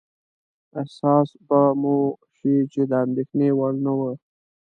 احساس به مو شي چې د اندېښنې وړ نه وه.